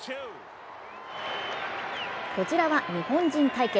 こちらは日本人対決。